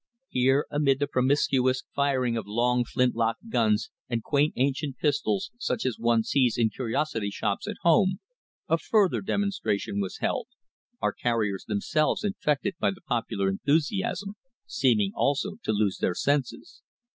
Here, amid the promiscuous firing of long flint lock guns and quaint ancient pistols, such as one sees in curiosity shops at home, a further demonstration was held, our carriers themselves infected by the popular enthusiasm, seeming also to lose their senses.